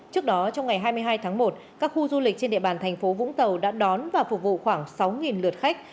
trước đó trong ngày hai mươi hai tháng một các khu du lịch trên địa bàn thành phố vũng tàu đã đón và phục vụ khoảng sáu lượt khách